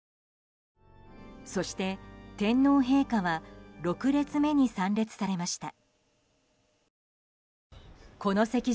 そして、天皇陛下は６列目に参列されました。